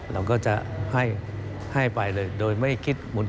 เราก็จะให้ไปเลยโดยไม่คิดหมุน